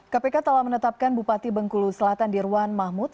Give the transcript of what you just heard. kpk telah menetapkan bupati bengkulu selatan dirwan mahmud